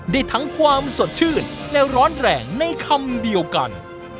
ได้ทั้งความสดชื่นและร้อนแรงในคำเดียวกัน